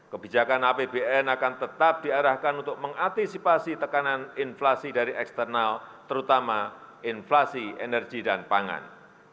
kebijakan apbn akan tetap diarahkan untuk mengantisipasi tekanan inflasi dari eksternal terutama inflasi energi dan pangan